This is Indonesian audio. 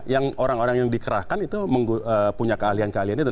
yang orang orang yang dikerahkan itu punya keahlian keahlian itu